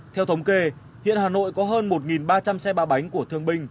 theo thống kê hiện hà nội có hơn một ba trăm linh xe ba bánh của thương binh